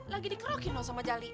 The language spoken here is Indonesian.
lagi dikerokin loh sama jali